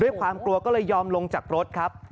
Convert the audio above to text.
ด้วยความกลัวก็เลยยอมลงจากรถครับ